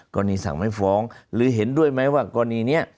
สั่งไม่ฟ้องหรือเห็นด้วยไหมว่ากรณีนี้